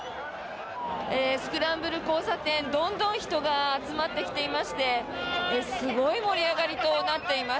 スクランブル交差点どんどん人が集まってきていましてすごい盛り上がりとなっています。